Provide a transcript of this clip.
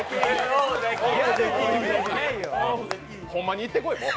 ホンマに行ってこい、もう。